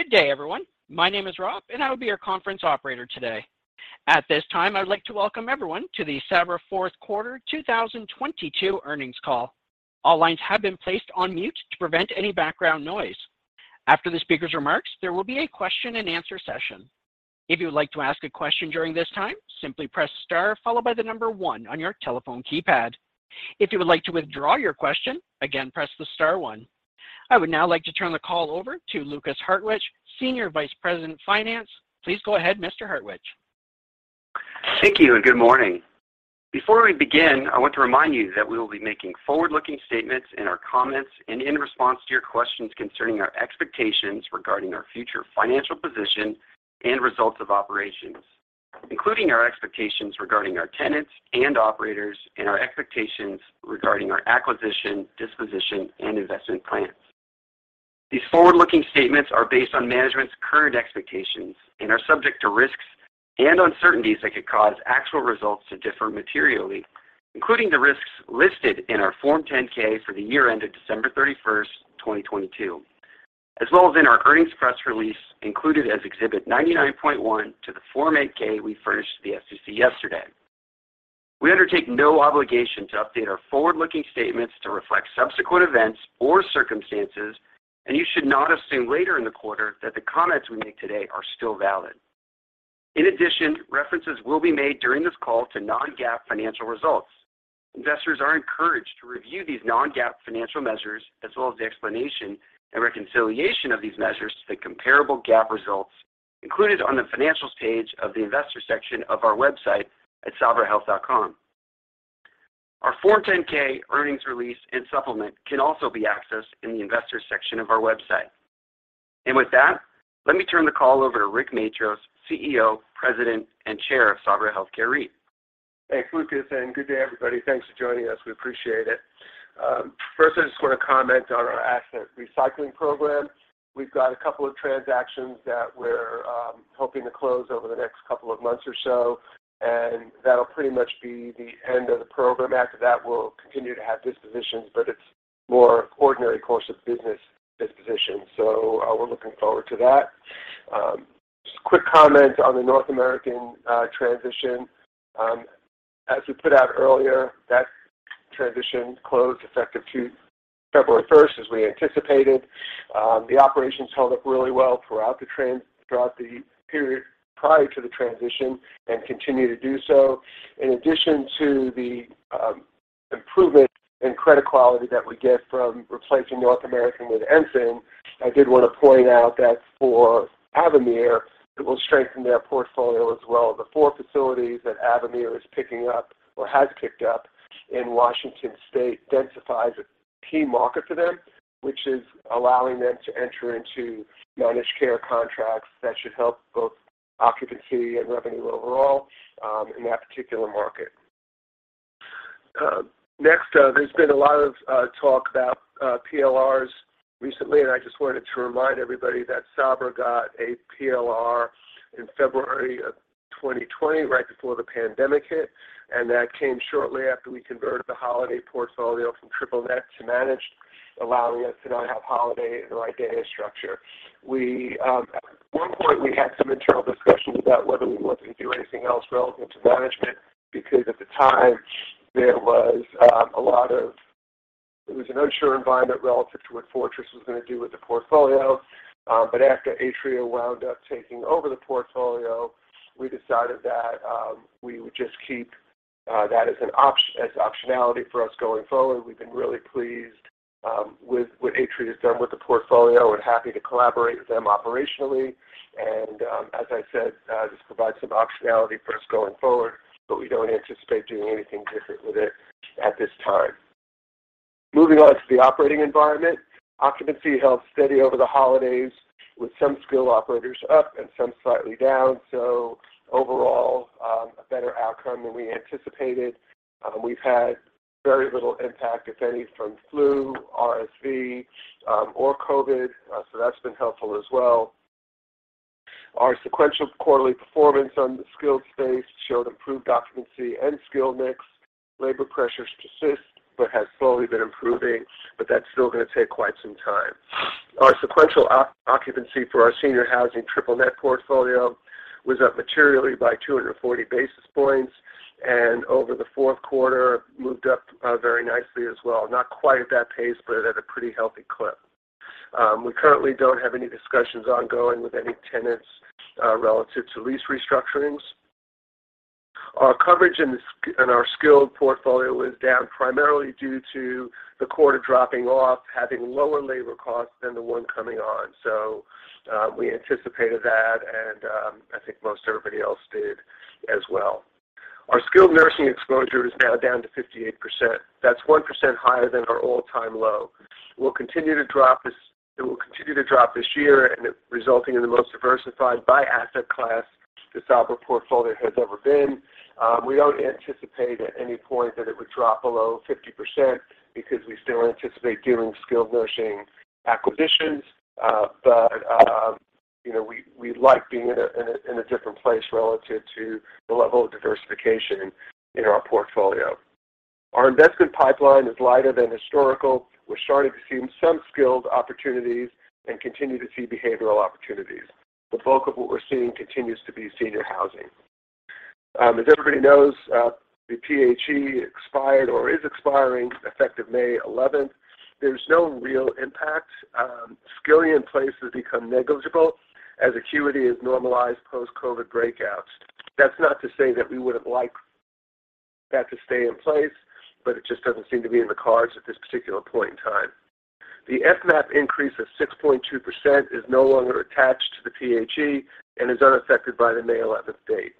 Good day, everyone. My name is Rob, and I will be your conference operator today. At this time, I would like to welcome everyone to the Sabra fourth quarter 2022 earnings call. All lines have been placed on mute to prevent any background noise. After the speaker's remarks, there will be a question and answer session. If you would like to ask a question during this time, simply press Star followed by one on your telephone keypad. If you would like to withdraw your question, again, press the Star one. I would now like to turn the call over to Lukas Hartwich, Senior Vice President of Finance. Please go ahead, Mr. Hartwich. Thank you, and good morning. Before we begin, I want to remind you that we will be making forward-looking statements in our comments and in response to your questions concerning our expectations regarding our future financial position and results of operations, including our expectations regarding our tenants and operators and our expectations regarding our acquisition, disposition, and investment plans. These forward-looking statements are based on management's current expectations and are subject to risks and uncertainties that could cause actual results to differ materially, including the risks listed in our Form 10-K for the year ended December 31st, 2022, as well as in our earnings press release included as Exhibit 99.1 to the Form 8-K we furnished to the SEC yesterday. We undertake no obligation to update our forward-looking statements to reflect subsequent events or circumstances, and you should not assume later in the quarter that the comments we make today are still valid. In addition, references will be made during this call to non-GAAP financial results. Investors are encouraged to review these non-GAAP financial measures as well as the explanation and reconciliation of these measures to the comparable GAAP results included on the Financials page of the Investors section of our website at sabrahealth.com. Our Form 10-K earnings release and supplement can also be accessed in the Investors section of our website. With that, let me turn the call over to Rick Matros, CEO, President, and Chair of Sabra Health Care REIT. Thanks, Lukas. Good day, everybody. Thanks for joining us. We appreciate it. First, I just want to comment on our asset recycling program. We've got a couple of transactions that we're hoping to close over the next couple of months or so, and that'll pretty much be the end of the program. After that, we'll continue to have dispositions, but it's more ordinary course of business disposition. We're looking forward to that. Just a quick comment on the North American transition. As we put out earlier, that transition closed effective February first, as we anticipated. The operations held up really well throughout the period prior to the transition and continue to do so. In addition to the improvement in credit quality that we get from replacing North American with Ensign, I did want to point out that for Avamere, it will strengthen their portfolio as well. The four facilities that Avamere is picking up or has picked up in Washington State densifies a key market for them, which is allowing them to enter into managed care contracts that should help both occupancy and revenue overall in that particular market. Next, there's been a lot of talk about PLRs recently, and I just wanted to remind everybody that Sabra got a PLR in February of 2020, right before the pandemic hit. That came shortly after we converted the Holiday portfolio from triple net to managed, allowing us to now have Holiday in the right data structure. We, at one point, we had some internal discussions about whether we wanted to do anything else relative to management because at the time there was an unsure environment relative to what Fortress was going to do with the portfolio. After Atria wound up taking over the portfolio, we decided that we would just keep that as optionality for us going forward. We've been really pleased with what Atria has done with the portfolio. We're happy to collaborate with them operationally. As I said, this provides some optionality for us going forward, but we don't anticipate doing anything different with it at this time. Moving on to the operating environment. Occupancy held steady over the holidays with some skilled operators up and some slightly down. Overall, a better outcome than we anticipated. We've had very little impact, if any, from flu, RSV, or COVID. That's been helpful as well. Our sequential quarterly performance on the skilled space showed improved occupancy and skill mix. Labor pressures persist, but has slowly been improving, but that's still going to take quite some time. Our sequential occupancy for our senior housing triple net portfolio was up materially by 240 basis points and over the fourth quarter moved up very nicely as well. Not quite at that pace, but at a pretty healthy clip. We currently don't have any discussions ongoing with any tenants relative to lease restructurings. Our coverage in our skilled portfolio is down primarily due to the quarter dropping off, having lower labor costs than the one coming on. We anticipated that, I think most everybody else did as well. Our skilled nursing exposure is now down to 58%. That's 1% higher than our all-time low. It will continue to drop this year and resulting in the most diversified by asset class the Sabra portfolio has ever been. We don't anticipate at any point that it would drop below 50% because we still anticipate doing skilled nursing acquisitions. You know, we like being in a different place relative to the level of diversification in our portfolio. Our investment pipeline is lighter than historical. We're starting to see some skilled opportunities and continue to see behavioral opportunities. The bulk of what we're seeing continues to be senior housing. As everybody knows, the PHE expired or is expiring effective May 11th. There's no real impact. Skilled in place has become negligible as Acuity has normalized post-COVID breakouts. That's not to say that we wouldn't like that to stay in place, it just doesn't seem to be in the cards at this particular point in time. The FMAP increase of 6.2% is no longer attached to the PHE and is unaffected by the May 11th date.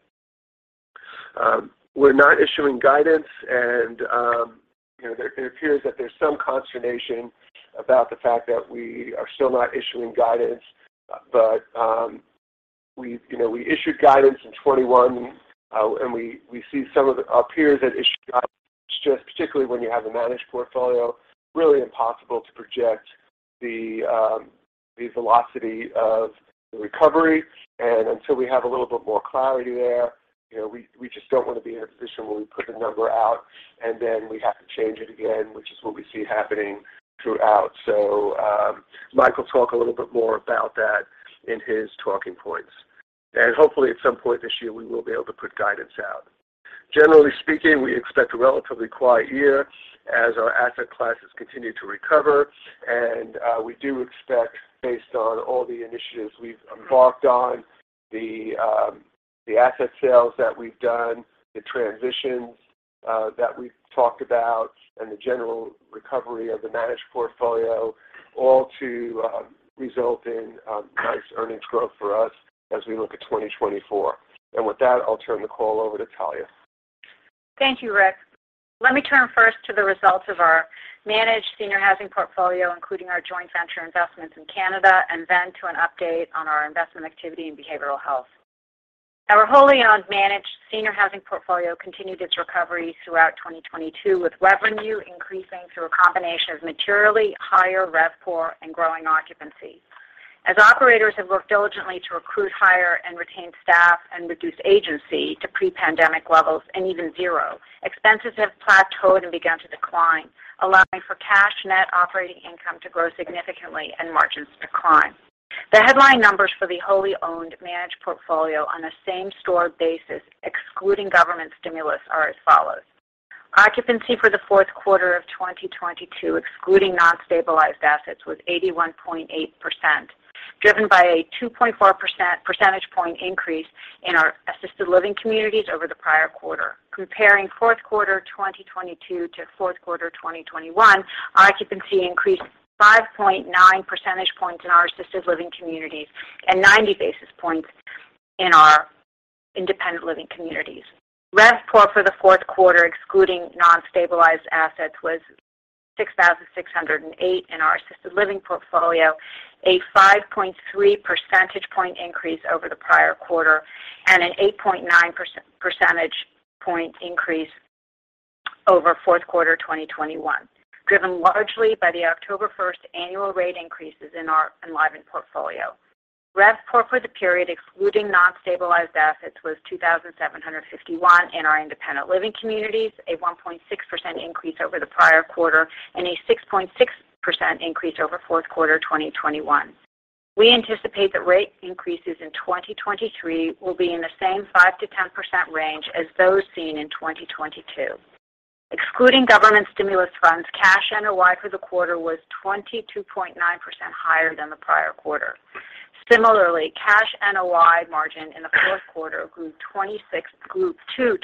We're not issuing guidance and, you know, it appears that there's some consternation about the fact that we are still not issuing guidance. We, you know, we issued guidance in 21, and we see some of appears that issue guidance, just particularly when you have a managed portfolio, really impossible to project the velocity of the recovery. Until we have a little bit more clarity there, you know, we just don't want to be in a position where we put a number out and then we have to change it again, which is what we see happening throughout. Mike will talk a little bit more about that in his talking points. Hopefully at some point this year, we will be able to put guidance out. Generally speaking, we expect a relatively quiet year as our asset classes continue to recover. We do expect, based on all the initiatives we've embarked on, the asset sales that we've done, the transitions that we've talked about, and the general recovery of the managed portfolio all to result in nice earnings growth for us as we look at 2024. With that, I'll turn the call over to Talya. Thank you, Rick. Let me turn first to the results of our managed senior housing portfolio, including our joint venture investments in Canada, and then to an update on our investment activity in behavioral health. Our wholly-owned managed senior housing portfolio continued its recovery throughout 2022, with revenue increasing through a combination of materially higher RevPOR and growing occupancy. As operators have worked diligently to recruit, hire, and retain staff and reduce agency to pre-pandemic levels and even zero, expenses have plateaued and begun to decline, allowing for cash net operating income to grow significantly and margins to climb. The headline numbers for the wholly-owned managed portfolio on a same-store basis, excluding government stimulus, are as follows: Occupancy for the fourth quarter of 2022, excluding non-stabilized assets, was 81.8%, driven by a 2.4% percentage point increase in our assisted living communities over the prior quarter. Comparing fourth quarter 2022 to fourth quarter 2021, our occupancy increased 5.9 percentage points in our assisted living communities and 90 basis points in our independent living communities. RevPOR for the fourth quarter, excluding non-stabilized assets, was $6,608 in our assisted living portfolio, a 5.3 percentage point increase over the prior quarter and an 8.9 percentage point increase over fourth quarter 2021, driven largely by the October 1st annual rate increases in our Enlivant portfolio. RevPOR for the period, excluding non-stabilized assets, was $2,751 in our independent living communities, a 1.6% increase over the prior quarter and a 6.6% increase over fourth quarter 2021. We anticipate that rate increases in 2023 will be in the same 5%-10% range as those seen in 2022. Excluding government stimulus funds, cash NOI for the quarter was 22.9% higher than the prior quarter. Similarly, cash NOI margin in the fourth quarter grew to 26.9%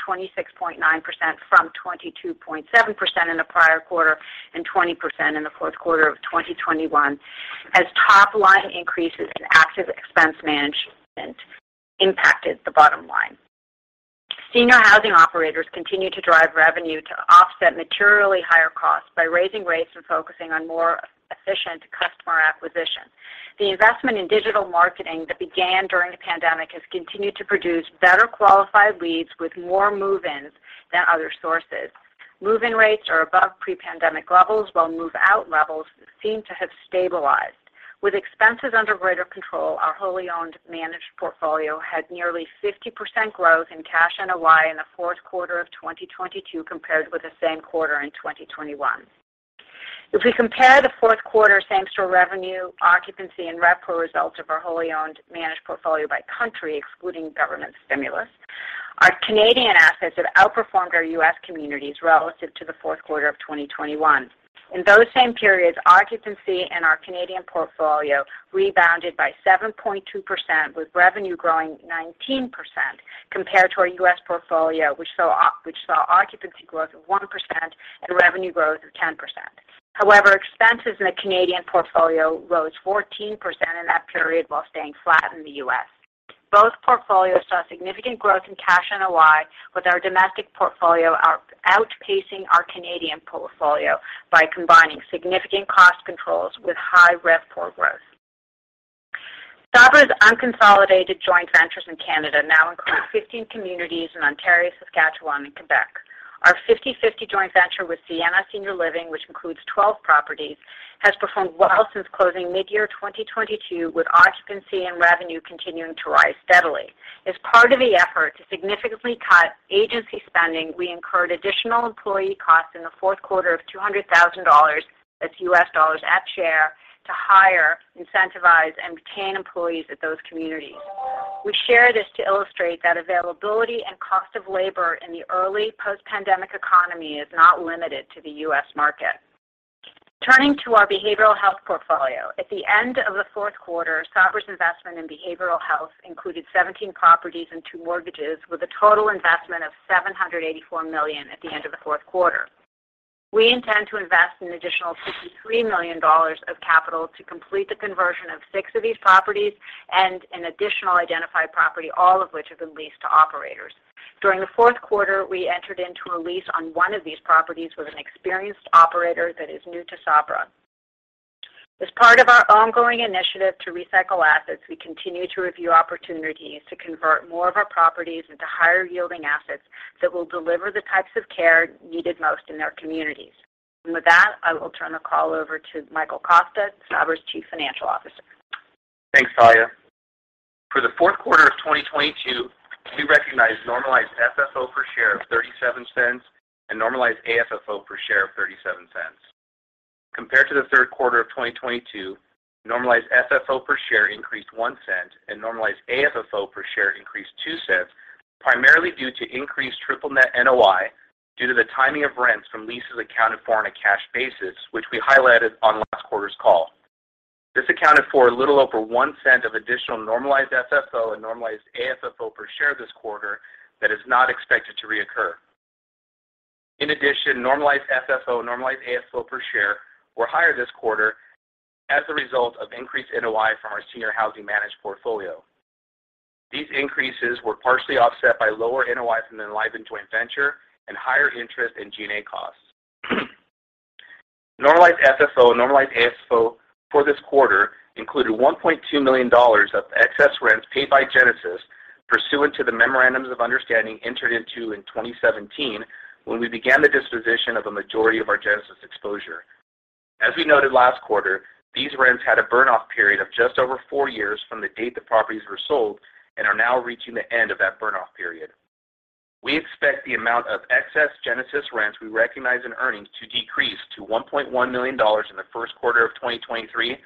from 22.7% in the prior quarter and 20% in the fourth quarter of 2021 as top line increases in active expense management impacted the bottom line. Senior housing operators continue to drive revenue to offset materially higher costs by raising rates and focusing on more efficient customer acquisition. The investment in digital marketing that began during the pandemic has continued to produce better qualified leads with more move-ins than other sources. Move-in rates are above pre-pandemic levels, while move-out levels seem to have stabilized. With expenses under greater control, our wholly owned managed portfolio had nearly 50% growth in cash NOI in the fourth quarter of 2022 compared with the same quarter in 2021. If we compare the fourth quarter same-store revenue, occupancy, and RevPOR results of our wholly owned managed portfolio by country, excluding government stimulus, our Canadian assets have outperformed our U.S. communities relative to the fourth quarter of 2021. In those same periods, occupancy in our Canadian portfolio rebounded by 7.2%, with revenue growing 19% compared to our U.S. portfolio, which saw occupancy growth of 1% and revenue growth of 10%. However, expenses in the Canadian portfolio rose 14% in that period while staying flat in the U.S. Both portfolios saw significant growth in cash NOI, with our domestic portfolio outpacing our Canadian portfolio by combining significant cost controls with high RevPOR growth. Sabra's unconsolidated joint ventures in Canada now include 15 communities in Ontario, Saskatchewan, and Quebec. Our 50/50 joint venture with Sienna Senior Living, which includes 12 properties, has performed well since closing mid-year 2022, with occupancy and revenue continuing to rise steadily. As part of the effort to significantly cut agency spending, we incurred additional employee costs in the fourth quarter of $200,000, that's U.S. dollars, at share to hire, incentivize, and retain employees at those communities. We share this to illustrate that availability and cost of labor in the early post-pandemic economy is not limited to the U.S. market. Turning to our behavioral health portfolio. At the end of the fourth quarter, Sabra's investment in behavioral health included 17 properties and two mortgages with a total investment of $784 million at the end of the fourth quarter. We intend to invest an additional $63 million of capital to complete the conversion of six of these properties and an additional identified property, all of which have been leased to operators. During the fourth quarter, we entered into a lease on one of these properties with an experienced operator that is new to Sabra. As part of our ongoing initiative to recycle assets, we continue to review opportunities to convert more of our properties into higher-yielding assets that will deliver the types of care needed most in their communities. With that, I will turn the call over to Michael Costa, Sabra's Chief Financial Officer. Thanks, Talya. For the fourth quarter of 2022, we recognized normalized FFO per share of $0.37 and normalized AFFO per share of $0.37. Compared to the third quarter of 2022, normalized FFO per share increased $0.01, and normalized AFFO per share increased $0.02, primarily due to increased triple net NOI due to the timing of rents from leases accounted for on a cash basis, which we highlighted on last quarter's call. This accounted for a little over $0.01 of additional normalized FFO and normalized AFFO per share this quarter that is not expected to reoccur. In addition, normalized FFO and normalized AFFO per share were higher this quarter as a result of increased NOI from our senior housing managed portfolio. These increases were partially offset by lower NOIs in the Enlivant Joint Ventures and higher interest in G&A costs. Normalized FFO and normalized AFFO for this quarter included $1.2 million of excess rents paid by Genesis pursuant to the memorandums of understanding entered into in 2017 when we began the disposition of a majority of our Genesis exposure. As we noted last quarter, these rents had a burn-off period of just over four years from the date the properties were sold and are now reaching the end of that burn-off period. We expect the amount of excess Genesis rents we recognize in earnings to decrease to $1.1 million in the first quarter of 2023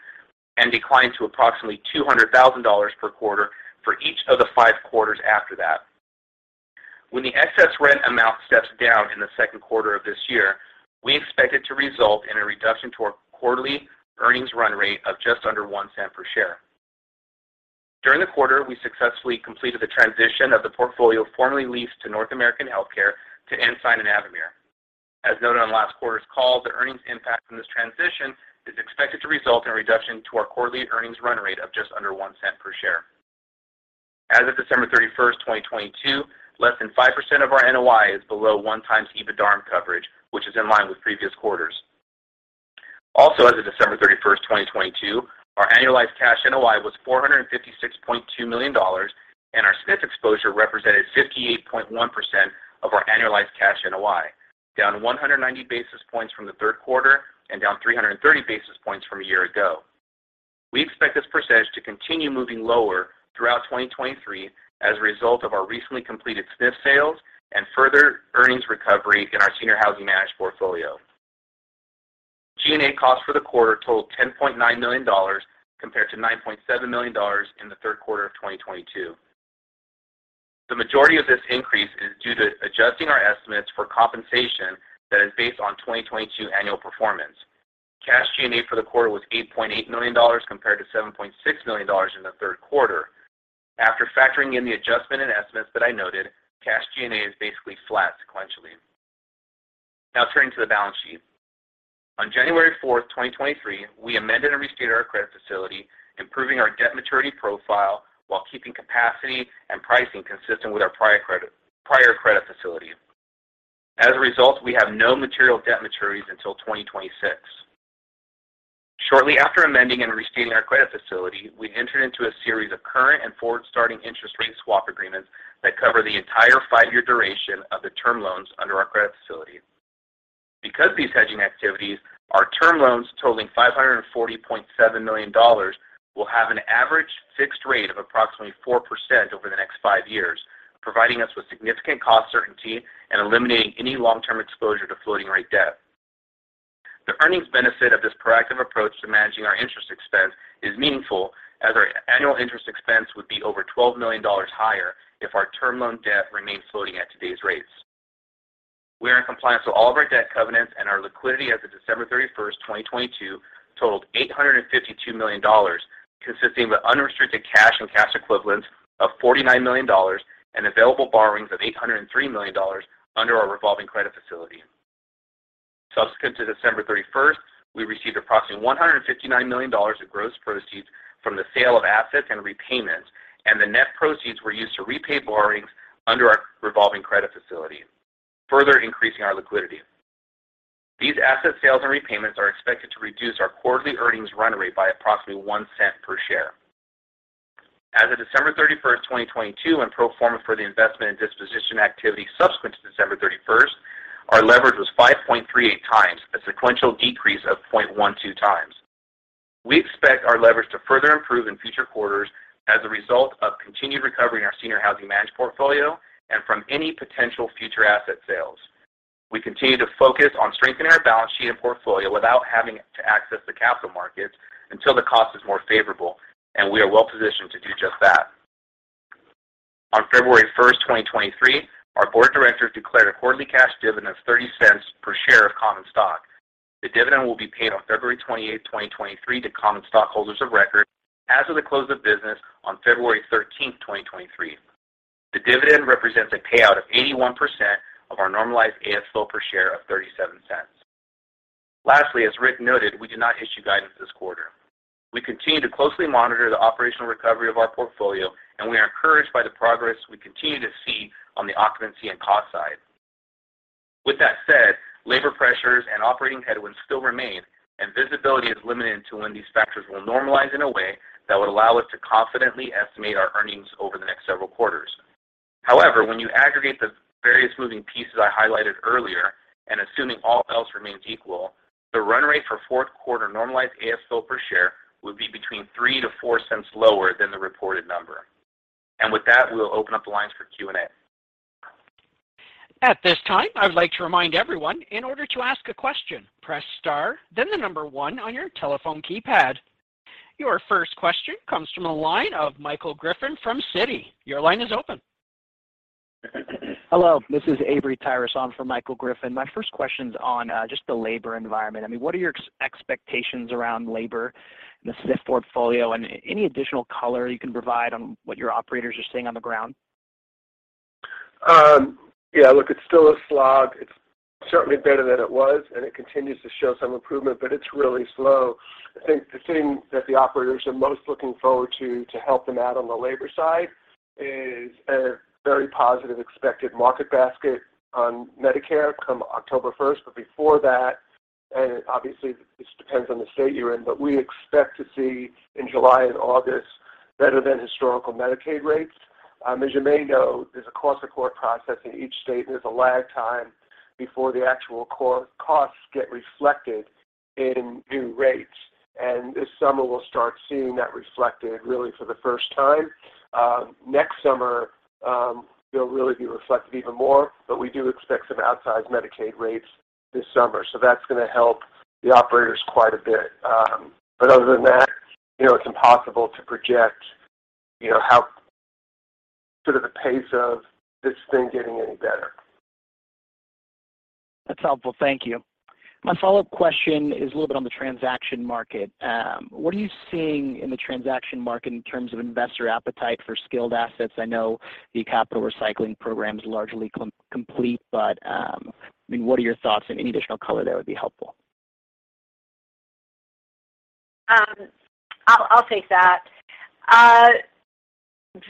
and decline to approximately $200,000 per quarter for each of the five quarters after that. When the excess rent amount steps down in the second quarter of this year, we expect it to result in a reduction to our quarterly earnings run rate of just under $0.01 per share. During the quarter, we successfully completed the transition of the portfolio formerly leased to North American Health Care to Ensign and Avamere. As noted on last quarter's call, the earnings impact from this transition is expected to result in a reduction to our quarterly earnings run rate of just under $0.01 per share. As of December 31, 2022, less than 5% of our NOI is below one times EBITDARM coverage, which is in line with previous quarters. As of December 31st, 2022, our annualized cash NOI was $456.2 million, and our SNF exposure represented 58.1% of our annualized cash NOI, down 190 basis points from the third quarter and down 330 basis points from a year ago. We expect this percentage to continue moving lower throughout 2023 as a result of our recently completed SNF sales and further earnings recovery in our senior housing managed portfolio. G&A costs for the quarter totaled $10.9 million compared to $9.7 million in the third quarter of 2022. The majority of this increase is due to adjusting our estimates for compensation that is based on 2022 annual performance. Cash G&A for the quarter was $8.8 million compared to $7.6 million in the third quarter. After factoring in the adjustment and estimates that I noted, cash G&A is basically flat sequentially. Now turning to the balance sheet. On January 4, 2023, we amended and restated our credit facility, improving our debt maturity profile while keeping capacity and pricing consistent with our prior credit facility. As a result, we have no material debt maturities until 2026. Shortly after amending and restating our credit facility, we entered into a series of current and forward-starting interest rate swap agreements that cover the entire five-year duration of the term loans under our credit facility. These hedging activities, our term loans totaling $540.7 million will have an average fixed rate of approximately 4% over the next 5 years, providing us with significant cost certainty and eliminating any long-term exposure to floating rate debt. The earnings benefit of this proactive approach to managing our interest expense is meaningful as our annual interest expense would be over $12 million higher if our term loan debt remains floating at today's rates. We are in compliance with all of our debt covenants, and our liquidity as of December 31, 2022 totaled $852 million, consisting of unrestricted cash and cash equivalents of $49 million and available borrowings of $803 million under our revolving credit facility. Subsequent to December 31, we received approximately $159 million of gross proceeds from the sale of assets and repaymentProceeds were used to repay borrowings under our revolving credit facility, further increasing our liquidity. These asset sales and repayments are expected to reduce our quarterly earnings run rate by approximately $0.01 per share. As of December 31, 2022, and pro forma for the investment and disposition activity subsequent to December 31, our leverage was 5.38 times, a sequential decrease of 0.12 times. We expect our leverage to further improve in future quarters as a result of continued recovery in our senior housing managed portfolio and from any potential future asset sales. We continue to focus on strengthening our balance sheet and portfolio without having to access the capital markets until the cost is more favorable. We are well-positioned to do just that. On February 1st, 2023, our board of directors declared a quarterly cash dividend of $0.30 per share of common stock. The dividend will be paid on February 28th, 2023 to common stockholders of record as of the close of business on February 13th, 2023. The dividend represents a payout of 81% of our normalized AFFO per share of $0.37. Lastly, as Rick noted, we do not issue guidance this quarter. We continue to closely monitor the operational recovery of our portfolio. We are encouraged by the progress we continue to see on the occupancy and cost side. With that said, labor pressures and operating headwinds still remain, and visibility is limited to when these factors will normalize in a way that would allow us to confidently estimate our earnings over the next several quarters. However, when you aggregate the various moving pieces I highlighted earlier, and assuming all else remains equal, the run rate for fourth quarter normalized AFFO per share would be between $0.03-$0.04 lower than the reported number. With that, we'll open up the lines for Q&A. At this time, I would like to remind everyone, in order to ask a question, press star then the number 1 on your telephone keypad. Your first question comes from the line of Michael Griffin from Citi. Your line is open. Hello, this is Avery Tiras for Michael Griffin. My first question's on just the labor environment. I mean, what are your expectations around labor in the SNF portfolio, and any additional color you can provide on what your operators are seeing on the ground? Yeah, look, it's still a slog. It's certainly better than it was. It continues to show some improvement, but it's really slow. I think the thing that the operators are most looking forward to to help them out on the labor side is a very positive expected market basket on Medicare come October 1st. Before that, and obviously this depends on the state you're in, but we expect to see in July and August better than historical Medicaid rates. As you may know, there's a cost report process in each state, and there's a lag time before the actual costs get reflected in new rates. This summer we'll start seeing that reflected really for the 1st time. Next summer, they'll really be reflected even more, but we do expect some outsized Medicaid rates this summer, so that's gonna help the operators quite a bit. Other than that, you know, it's impossible to project, you know, how sort of the pace of this thing getting any better. That's helpful. Thank you. My follow-up question is a little bit on the transaction market. What are you seeing in the transaction market in terms of investor appetite for skilled assets? I know the capital recycling program is largely complete, but, I mean, what are your thoughts? Any additional color there would be helpful. I'll take that.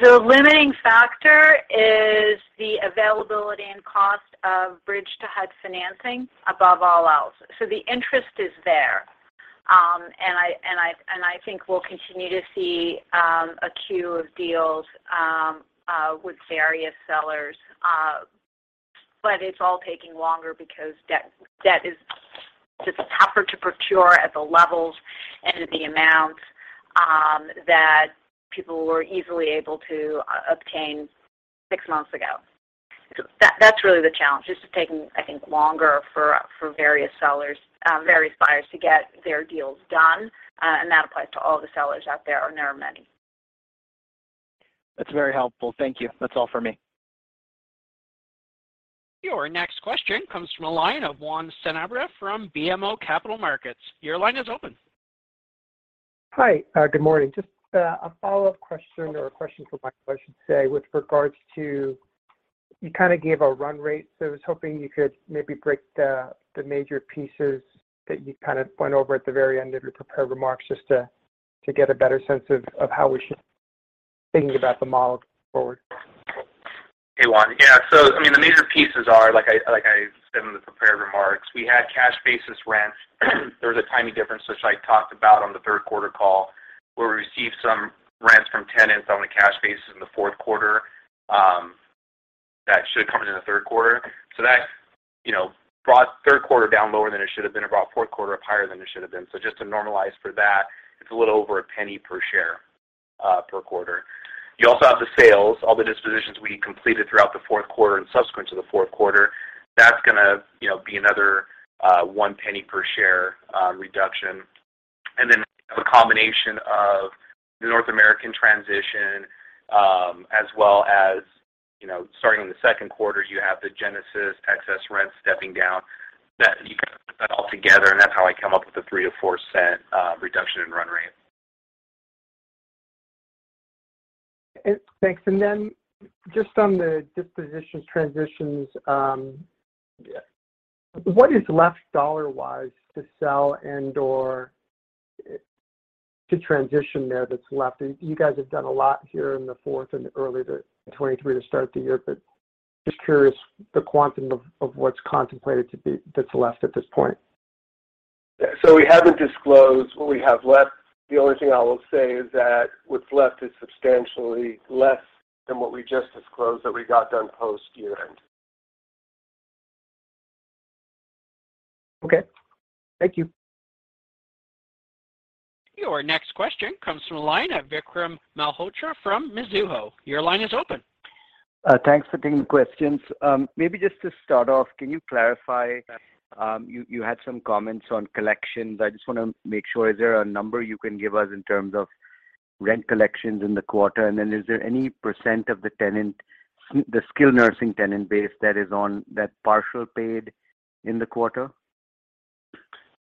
The limiting factor is the availability and cost of bridge to HUD financing above all else. The interest is there, and I think we'll continue to see a queue of deals with various sellers. It's all taking longer because debt is just tougher to procure at the levels and at the amounts that people were easily able to obtain six months ago. That's really the challenge. It's just taking, I think, longer for various sellers, various buyers to get their deals done, and that applies to all the sellers out there, and there are many. That's very helpful. Thank you. That's all for me. Your next question comes from the line of Juan Sanabria from BMO Capital Markets. Your line is open. Hi. Good morning. Just a follow-up question or a question for Michael, I should say. You kind of gave a run rate. I was hoping you could maybe break the major pieces that you kind of went over at the very end of your prepared remarks, just to get a better sense of how we should be thinking about the model going forward. Hey, Juan. Yeah. I mean, the major pieces are, like I said in the prepared remarks, we had cash basis rents. There was a timing difference, which I talked about on the third quarter call, where we received some rents from tenants on a cash basis in the fourth quarter, that should have come in in the third quarter. That, you know, brought third quarter down lower than it should have been. It brought fourth quarter up higher than it should have been. Just to normalize for that, it's a little over $0.01 per share per quarter. You also have the sales. All the dispositions we completed throughout the fourth quarter and subsequent to the fourth quarter, that's gonna, you know, be another $0.01 per share reduction. The combination of the North American transition, as well as, you know, starting in the second quarter, you have the Genesis excess rent stepping down. You kind of put that all together, and that's how I come up with the $0.03-$0.04 reduction in run rate. Thanks. Then just on the dispositions transitions, Yeah. What is left dollar-wise to sell and/or? To transition there that's left. You guys have done a lot here in the fourth and early to 2023 to start the year, just curious the quantum of what's contemplated that's left at this point? We haven't disclosed what we have left. The only thing I will say is that what's left is substantially less than what we just disclosed that we got done post-year-end. Okay. Thank you. Your next question comes from the line of Vikram Malhotra from Mizuho. Your line is open. Thanks for taking the questions. Maybe just to start off, can you clarify, you had some comments on collections. I just wanna make sure, is there a number you can give us in terms of rent collections in the quarter? Is there any % of the tenant, the skilled nursing tenant base that is on that partial paid in the quarter?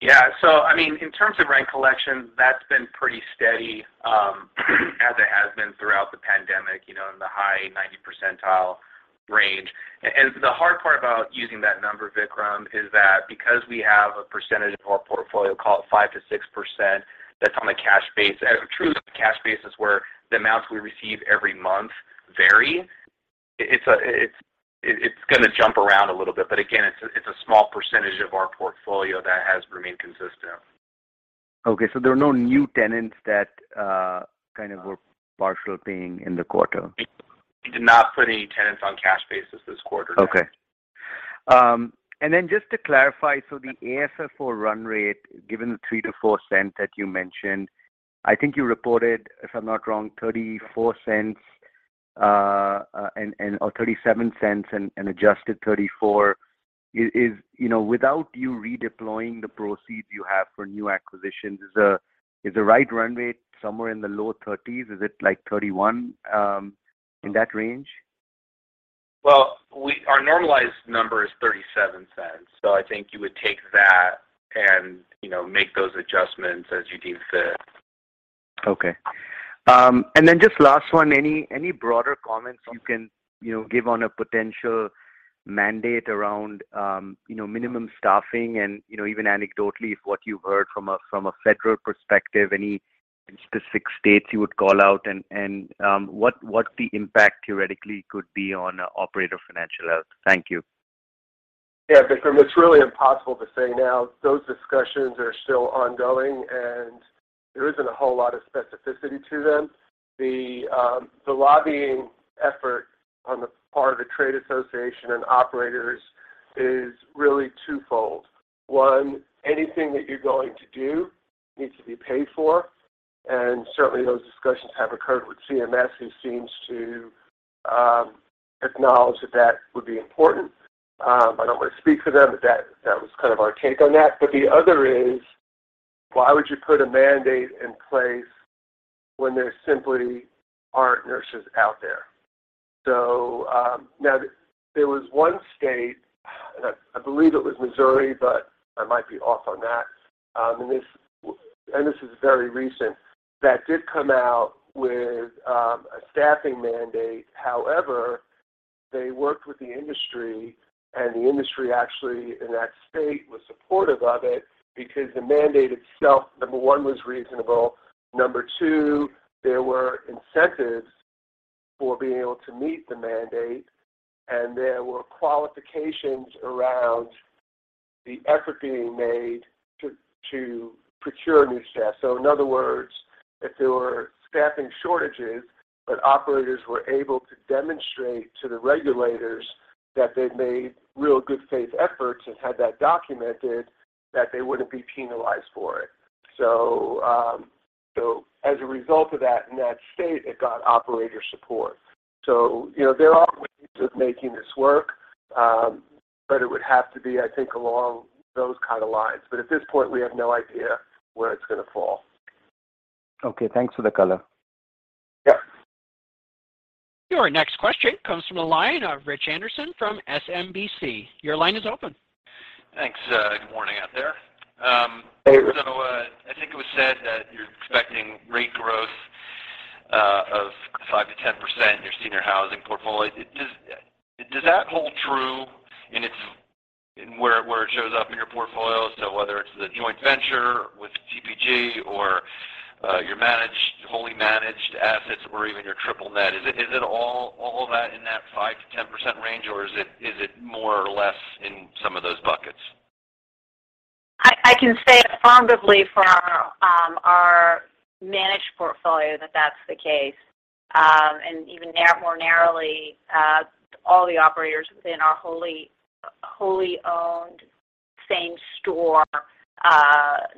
I mean, in terms of rent collection, that's been pretty steady, as it has been throughout the pandemic, you know, in the high 90% range. The hard part about using that number, Vikram, is that because we have a percentage of our portfolio, call it 5%-6%, that's on a cash basis. A true cash basis where the amounts we receive every month vary. It's gonna jump around a little bit, again, it's a small percentage of our portfolio that has remained consistent. Okay. There are no new tenants that, kind of were partial paying in the quarter. We did not put any tenants on cash basis this quarter. Okay. Just to clarify, the AFFO run rate, given the $0.03-$0.04 that you mentioned, I think you reported, if I'm not wrong, $0.34, or $0.37 and adjusted $0.34. Is, you know, without you redeploying the proceeds you have for new acquisitions, is the right run rate somewhere in the low 30s? Is it like $0.31, in that range? Our normalized number is $0.37. I think you would take that and, you know, make those adjustments as you deem fit. Okay. Just last one. Any broader comments you can, you know, give on a potential mandate around, you know, minimum staffing and, you know, even anecdotally, if what you've heard from a federal perspective, any specific states you would call out and what the impact theoretically could be on operator financial health? Thank you. Yeah, Vikram, it's really impossible to say now. Those discussions are still ongoing, and there isn't a whole lot of specificity to them. The lobbying effort on the part of the trade association and operators is really twofold. One, anything that you're going to do needs to be paid for, and certainly those discussions have occurred with CMS, who seems to acknowledge that that would be important. I don't want to speak for them, but that was kind of our take on that. But the other is, why would you put a mandate in place when there simply aren't nurses out there? Now there was one state, and I believe it was Missouri, but I might be off on that, and this is very recent, that did come out with a staffing mandate. They worked with the industry, and the industry actually in that state was supportive of it because the mandate itself, number one, was reasonable. Number two, there were incentives for being able to meet the mandate, and there were qualifications around the effort being made to procure new staff. In other words, if there were staffing shortages, but operators were able to demonstrate to the regulators that they've made real good faith efforts and had that documented, that they wouldn't be penalized for it. As a result of that in that state, it got operator support. You know, there are ways of making this work, but it would have to be, I think, along those kind of lines. At this point, we have no idea where it's gonna fall. Okay, thanks for the color. Yeah. Your next question comes from the line of Rich Anderson from SMBC. Your line is open. Thanks. Good morning out there. Hey, Rich. I think it was said that you're expecting rate growth of 5%-10% in your senior housing portfolio. Does that hold true in its where it shows up in your portfolio? Whether it's the joint venture with TPG or your managed, wholly managed assets or even your triple net. Is it all that in that 5%-10% range, or is it more or less in some of those buckets? I can say affirmatively for our managed portfolio that that's the case. Even more narrowly, all the operators within our wholly owned same store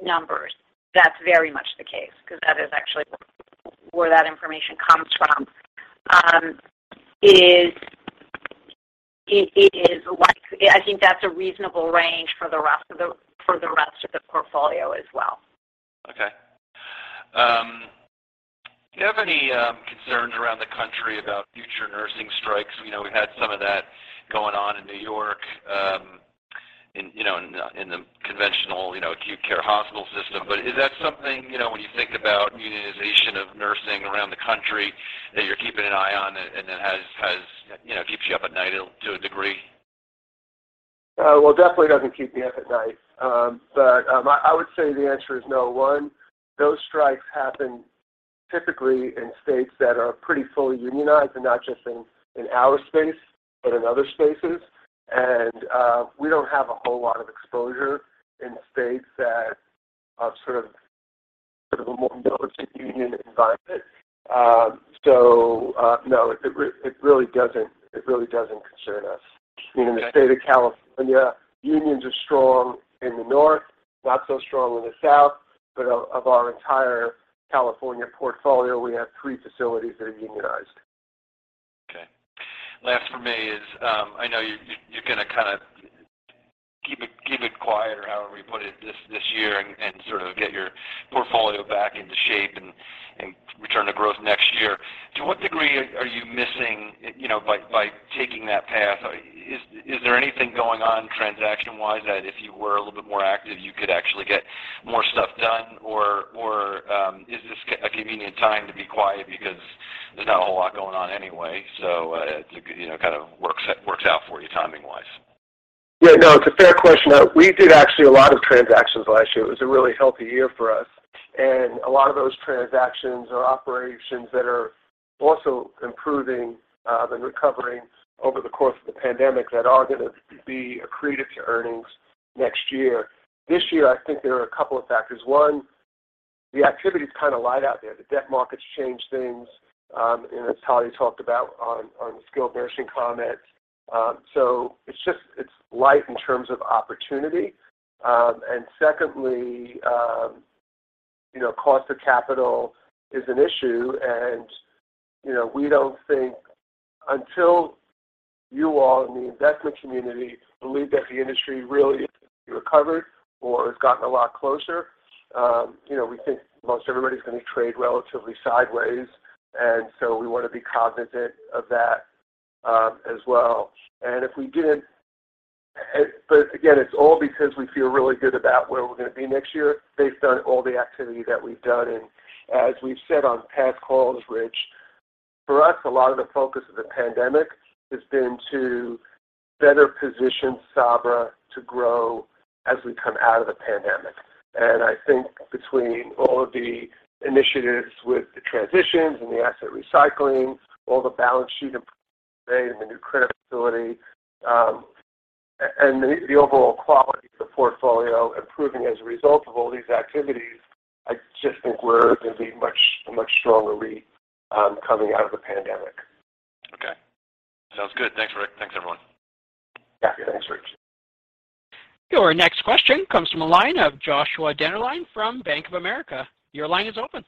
numbers. That's very much the case because that is actually where that information comes from. It is like I think that's a reasonable range for the rest of the portfolio as well. Okay. Do you have any concerns around the country about future nursing strikes? You know, we had some of that going on in New York, in, you know, in the, in the conventional, you know, acute care hospital system. Is that something, you know, when you think about unionization of nursing around the country that you're keeping an eye on and that has, you know, keeps you up at night to a degree? Well, it definitely doesn't keep me up at night. I would say the answer is no. One. Those strikes happen typically in states that are pretty fully unionized, and not just in our space, but in other spaces. We don't have a whole lot of exposure in states that are sort of a more militant union environment. No, it really doesn't concern us. You know, in the state of California, unions are strong in the north, not so strong in the south. Of our entire California portfolio, we have three facilities that are unionized. Okay. Last for me is, I know you're gonna kinda keep it quiet or however we put it this year and sort of get your portfolio back into shape and return to growth next year. To what degree are you missing, you know, by taking that path? Is there anything going on transaction-wise that if you were a little bit more active, you could actually get more stuff done? Or is this a convenient time to be quiet because there's not a whole lot going on anyway, so you know, it kind of works out for you timing-wise? Yeah, no, it's a fair question. We did actually a lot of transactions last year. It was a really healthy year for us. A lot of those transactions are operations that are also improving, the recovery over the course of the pandemic that are gonna be accretive to earnings next year. This year, I think there are a couple of factors. One, the activity is kinda light out there. The debt markets change things, and as Holly talked about on the skilled nursing comment. It's just, it's light in terms of opportunity. Secondly, you know, cost of capital is an issue, and, you know, we don't think until you all in the investment community believe that the industry really is recovered or has gotten a lot closer, you know, we think most everybody's gonna trade relatively sideways. We wanna be cognizant of that as well. It's all because we feel really good about where we're gonna be next year based on all the activity that we've done. As we've said on past calls, Rich, for us, a lot of the focus of the pandemic has been to better position Sabra to grow as we come out of the pandemic. I think between all of the initiatives with the transitions and the asset recycling, all the balance sheet improvements made and the new credit facility, and the overall quality of the portfolio improving as a result of all these activities, I just think we're gonna be a much stronger REIT coming out of the pandemic. Okay. Sounds good. Thanks, Rick. Thanks, everyone. Yeah. Thanks, Rich. Your next question comes from the line of Joshua Dennerlein from Bank of America. Your line is open.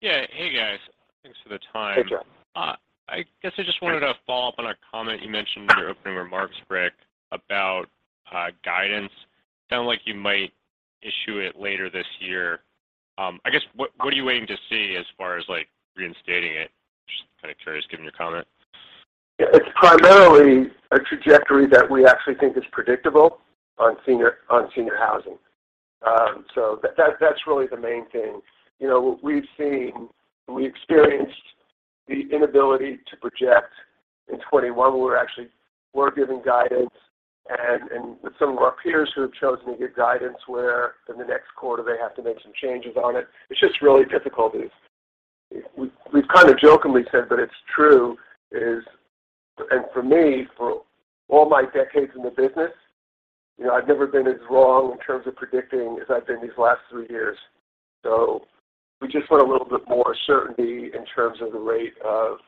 Yeah. Hey, guys. Thanks for the time. Hey, Josh. I guess I just wanted to follow up on a comment you mentioned in your opening remarks, Rick, about guidance. Sounded like you might issue it later this year. I guess what are you waiting to see as far as, like, reinstating it? Just kinda curious given your comment. It's primarily a trajectory that we actually think is predictable on senior housing. That's really the main thing. You know, we've seen, we experienced the inability to project in 2021 when we're actually, we're giving guidance and with some of our peers who have chosen to give guidance where in the next quarter they have to make some changes on it. It's just really difficult. We've kind of jokingly said, but it's true, is, and for me, for all my decades in the business, you know, I've never been as wrong in terms of predicting as I've been these last three years. We just want a little bit more certainty in terms of the rate of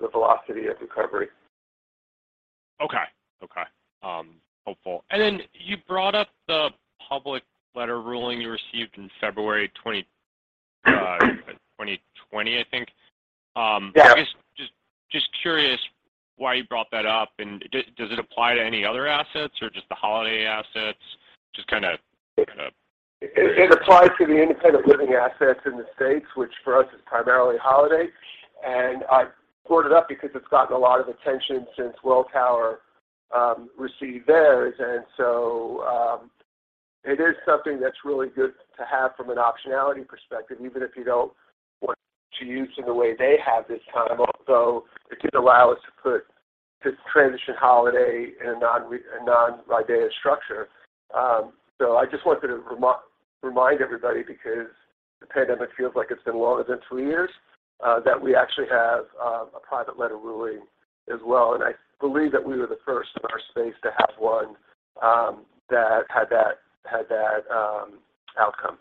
the velocity of recovery. Okay. Okay. helpful. You brought up the private letter ruling you received in February 2020, I think. Yes. I was just curious why you brought that up, and does it apply to any other assets or just the Holiday assets? Just kinda curious. It applies to the independent living assets in the States, which for us is primarily Holiday. I brought it up because it's gotten a lot of attention since Welltower received theirs. It is something that's really good to have from an optionality perspective, even if you don't want to use in the way they have this time, although it did allow us to transition Holiday in a non-REIT structure. I just wanted to remind everybody because the pandemic feels like it's been longer than two years, that we actually have a private letter ruling as well. I believe that we were the first in our space to have one that had that outcome.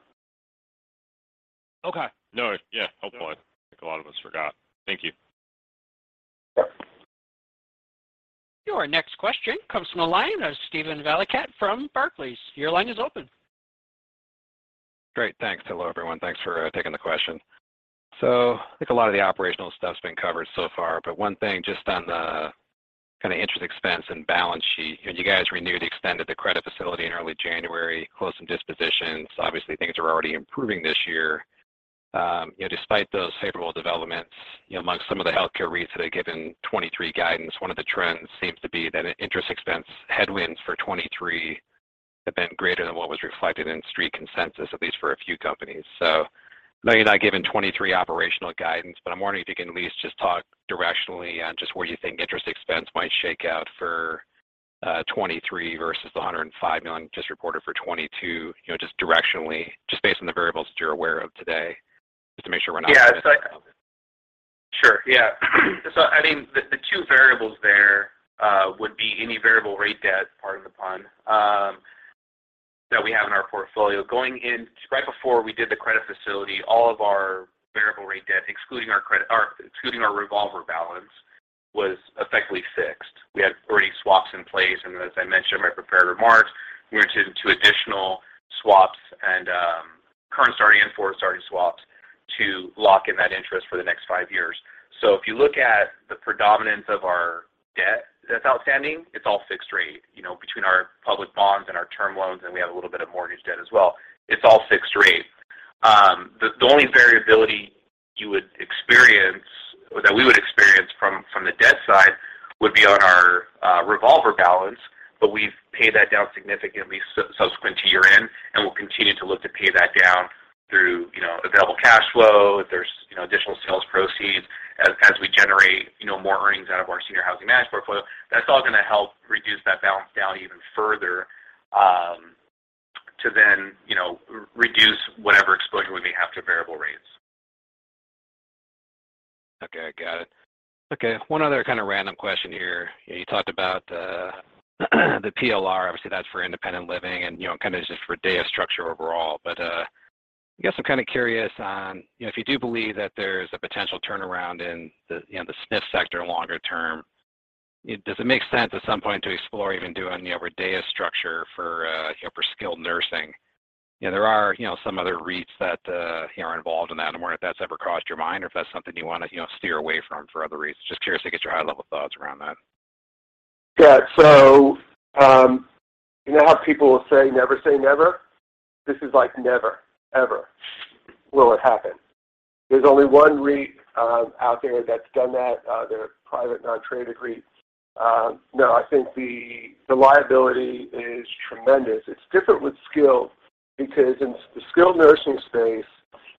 No, yeah, helpful. I think a lot of us forgot. Thank you. Sure. Your next question comes from the line of Steven Valiquette from Barclays. Your line is open. Great. Thanks. Hello, everyone. Thanks for taking the question. I think a lot of the operational stuff's been covered so far, but one thing just on the kind of interest expense and balance sheet. You know, you guys renewed the extent of the credit facility in early January, closed some dispositions. Obviously, things are already improving this year. You know, despite those favorable developments, you know, amongst some of the healthcare REITs that have given 2023 guidance, one of the trends seems to be that interest expense headwinds for 2023 have been greater than what was reflected in street consensus, at least for a few companies. I know you're not giving 23 operational guidance, but I'm wondering if you can at least just talk directionally on just where you think interest expense might shake out for 23 versus the $105 million just reported for 22, you know, just directionally, just based on the variables that you're aware of today, just to make sure we're not? Yeah. missing anything obvious. Sure. Yeah. I mean, the two variables there would be any variable rate debt, pardon the pun, that we have in our portfolio. Right before we did the credit facility, all of our variable rate debt, excluding our revolver balance, was effectively fixed. We had already swaps in place, and as I mentioned in my prepared remarks, we entered into additional swaps and current starting and four starting swaps to lock in that interest for the next five years. If you look at the predominance of our debt that's outstanding, it's all fixed rate, you know, between our public bonds and our term loans, and we have a little bit of mortgage debt as well. It's all fixed rate. The only variability you would experience, or that we would experience from the debt side would be on our revolver balance. We've paid that down significantly subsequent to year-end. We'll continue to look to pay that down through, you know, available cash flow. If there's, you know, additional sales proceeds as we generate, you know, more earnings out of our senior housing managed portfolio, that's all gonna help reduce that balance down even further, you know, reduce whatever exposure we may have to variable rates. Okay. Got it. Okay, one other kind of random question here. You talked about the PLR. Obviously, that's for independent living and, you know, and kind of just for data structure overall. I guess I'm kind of curious on, you know, if you do believe that there's a potential turnaround in the, you know, the SNF sector longer term, does it make sense at some point to explore even doing, you know, a data structure for, you know, for skilled nursing? You know, there are, you know, some other REITs that, you know, are involved in that. I'm wondering if that's ever crossed your mind or if that's something you wanna, you know, steer away from for other REITs? Just curious to get your high-level thoughts around that. Yeah. You know how people will say never say never? This is like never, ever will it happen. There's only one REIT out there that's done that. They're a private non-traded REIT. No, I think the liability is tremendous. It's different with skilled because in the skilled nursing space,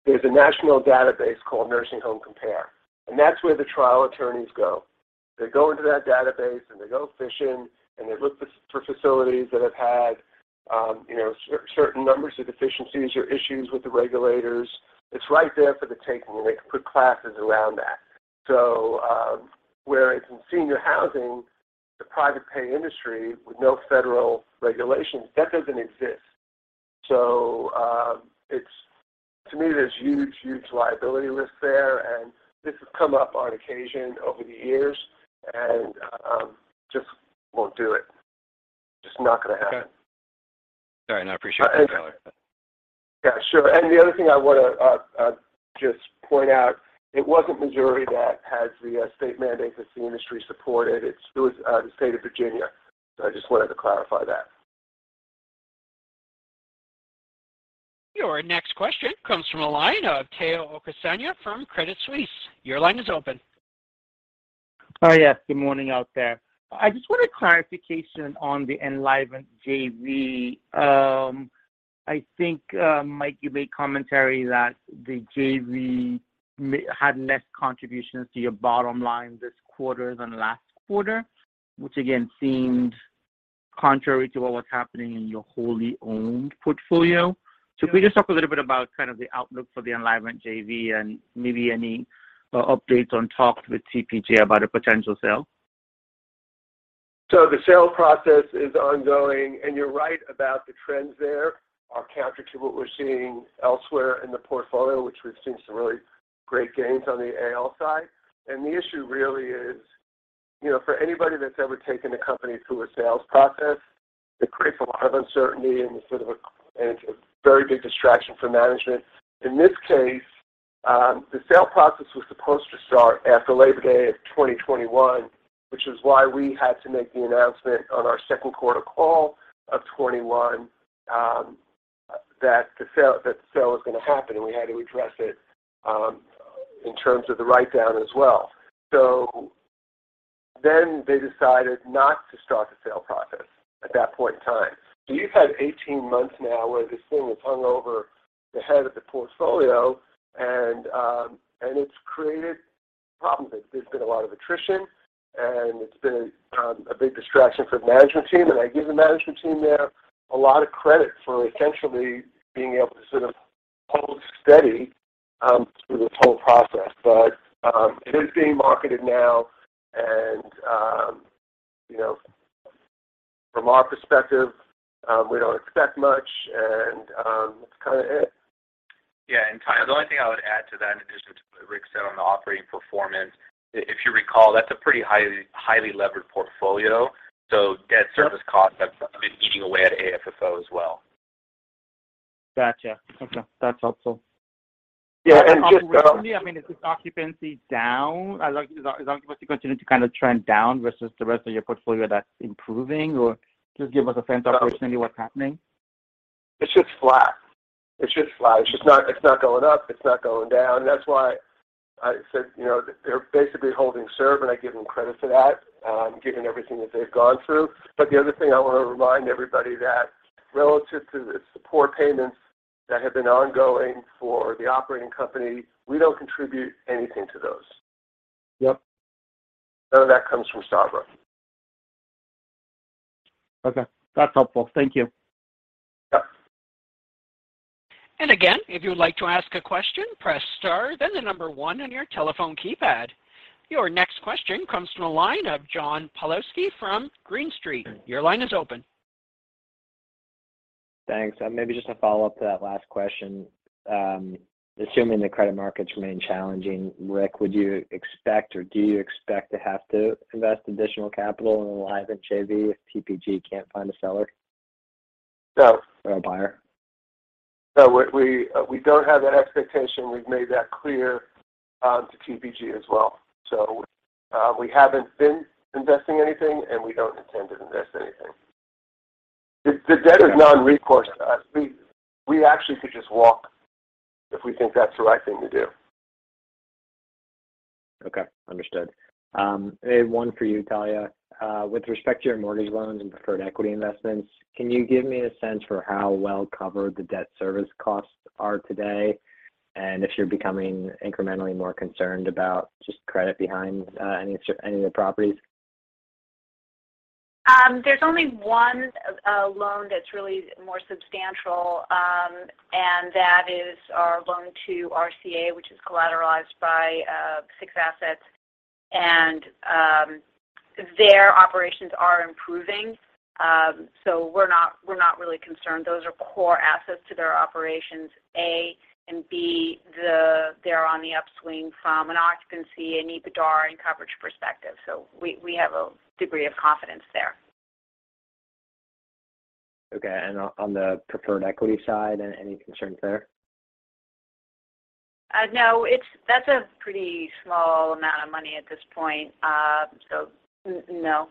there's a national database called Nursing Home Compare, that's where the trial attorneys go. They go into that database, they go fishing, they look for facilities that have had, you know, certain numbers of deficiencies or issues with the regulators. It's right there for the taking, they can put classes around that. Whereas in senior housing, the private pay industry with no federal regulations, that doesn't exist. To me, there's huge liability risks there, and this has come up on occasion over the years, and just won't do it. Just not gonna happen. Okay. All right. No, I appreciate you clarifying that. Yeah, sure. The other thing I want to just point out, it wasn't Missouri that has the state mandate that the industry supported. It was the state of Virginia. I just wanted to clarify that. Your next question comes from the line of Tayo Okusanya from Credit Suisse. Your line is open. Oh, yes. Good morning out there. I just want a clarification on the Enlivant JV. I think Mike, you made commentary that the JV had less contributions to your bottom line this quarter than last quarter, which again seemed contrary to what was happening in your wholly owned portfolio. Can you just talk a little bit about kind of the outlook for the Enlivant JV and maybe any updates on talks with TPG about a potential sale? The sales process is ongoing, and you're right about the trends there are counter to what we're seeing elsewhere in the portfolio, which we've seen some really great gains on the AL side. The issue really is, you know, for anybody that's ever taken a company through a sales process, it creates a lot of uncertainty and it's a very big distraction for management. In this case, the sale process was supposed to start after Labor Day of 2021, which is why we had to make the announcement on our second quarter call of 21, that the sale was gonna happen, and we had to address it in terms of the write down as well. They decided not to start the sale process at that point in time. You've had 18 months now where this thing has hung over the head of the portfolio and it's created problems. There's been a lot of attrition, and it's been a big distraction for the management team, and I give the management team there a lot of credit for essentially being able to sort of hold steady through this whole process. It is being marketed now and, you know, from our perspective, we don't expect much and that's kinda it. Yeah. Tayo, the only thing I would add to that in addition to what Rick said on the operating performance, if you recall, that's a pretty highly levered portfolio. Debt service costs have been eating away at AFFO as well. Gotcha. Okay. That's helpful. Yeah. just, Operationally, I mean, is this occupancy down? Is occupancy continuing to kind of trend down versus the rest of your portfolio that's improving? Just give us a sense of operationally what's happening. It's just flat. It's just flat. It's just not, it's not going up. It's not going down. That's why I said, you know, they're basically holding serve, and I give them credit for that, given everything that they've gone through. The other thing I wanna remind everybody that relative to the support payments that have been ongoing for the operating company, we don't contribute anything to those. Yep. None of that comes from Sabra. Okay. That's helpful. Thank you. Yep. Again, if you'd like to ask a question, press Star, then the number one on your telephone keypad. Your next question comes from the line of John Pawlowski from Green Street. Your line is open. Thanks. Maybe just a follow-up to that last question. Assuming the credit markets remain challenging, Rick, would you expect, or do you expect to have to invest additional capital in the Enlivant JV if TPG can't find a seller? So- A buyer. We don't have that expectation. We've made that clear to TPG as well. We haven't been investing anything, and we don't intend to invest anything. The debt is non-recourse. We actually could just walk if we think that's the right thing to do. Okay. Understood. I have one for you, Talya. With respect to your mortgage loans and preferred equity investments, can you give me a sense for how well covered the debt service costs are today? If you're becoming incrementally more concerned about just credit behind any of the properties? There's only one loan that's really more substantial, that is our loan to RCA, which is collateralized by six assets. Their operations are improving, so we're not really concerned. Those are core assets to their operations, A, and B, they're on the upswing from an occupancy, an EBITDA, and coverage perspective. We have a degree of confidence there. Okay. On the preferred equity side, any concerns there? No. That's a pretty small amount of money at this point. So no.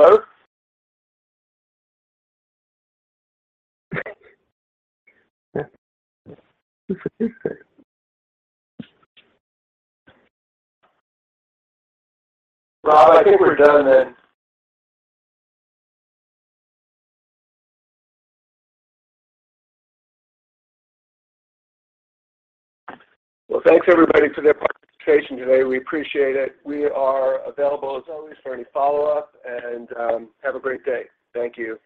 Your ne- Hello? Rob, I think we're done then. Well, thanks everybody for their participation today. We appreciate it. We are available as always for any follow-up, and have a great day. Thank you.